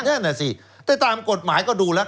นั่นน่ะสิแต่ตามกฎหมายก็ดูแล้ว